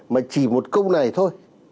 mà chỉ một câu này thôi